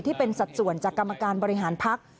ที่เป็นสัดส่วนจากกรรมการบริหารพักษณ์